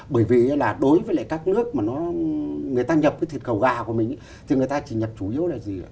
bởi vì là đối với lại các nước mà người ta nhập cái thịt cầu gà của mình thì người ta chỉ nhập chủ yếu là gì ạ